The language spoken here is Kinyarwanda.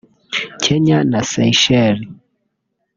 Kenya na Seychelles